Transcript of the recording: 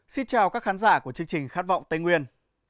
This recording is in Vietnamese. xin chào các khán giả của chương trình khát vọng tây nguyên